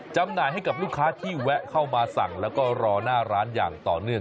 จำหน่ายให้กับลูกค้าที่แวะเข้ามาสั่งแล้วก็รอหน้าร้านอย่างต่อเนื่อง